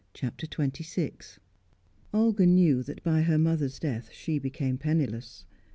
CHAPTER XXVI Olga knew that by her mother's death she became penniless.